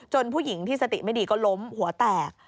ผู้หญิงที่สติไม่ดีก็ล้มหัวแตก